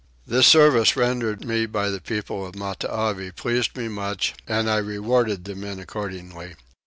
This service rendered me by the people of Matavai pleased me much and I rewarded the men accordingly.